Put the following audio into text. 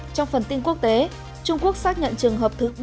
trong phần tin quốc tế trung quốc xác nhận trường hợp thức